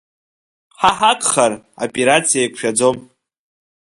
Ҳа ҳагхар, апирациа еқәшәаӡом.